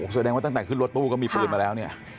แสดงว่าตั้งแต่ขึ้นรถตู้ก็มีปืนมาแล้วเนี่ย